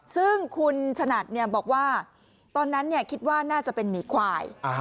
ซึ่งคุณฉนัดบอกว่าตอนนั้นคิดว่าน่าจะเป็นหมีควาย